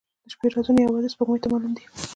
• د شپې رازونه یوازې سپوږمۍ ته معلوم دي.